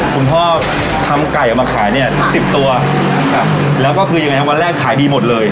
คุณพ่อทำไก่ออกมาขายเนี่ยสิบตัวครับแล้วก็คือยังไงครับวันแรกขายดีหมดเลย